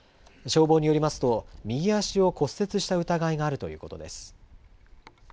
消防によりますと、右足を骨折した疑いがあるということです。